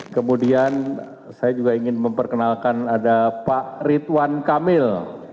kemudian saya juga ingin memperkenalkan ada pak ridwan kamil